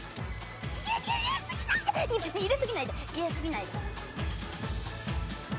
入れすぎないで入れすぎないで。